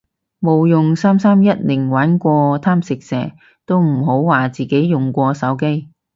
冇用三三一零玩過貪食蛇都唔好話自己用過手機